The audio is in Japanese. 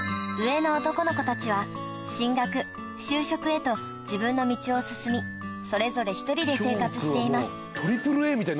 上の男の子たちは進学就職へと自分の道を進みそれぞれ１人で生活しています